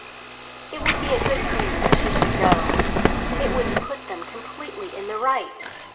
It would be a good thing that she should go; it would put them completely in the right.